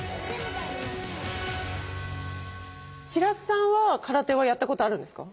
白洲さんは空手はやったことあるんですか？